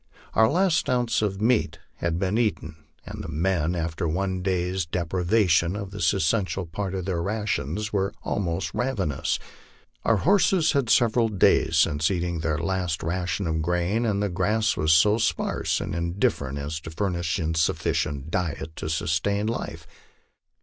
Our last ounce of meat had been eaten, and the men, after one day's depri vation of this essential part of their rations, were almost ravenous. Our horses MY LIFE OX THE PLAINS. 229 had several days since eaten their last ration of grain, and the grass was so sparse and indifferent as to furnish insufficient diet to sustain life.